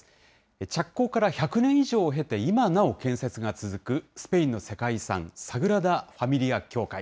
着工から１００年以上を経て今なお建設が続く、スペインの世界遺産、サグラダ・ファミリア教会。